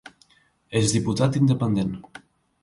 És diputat independent.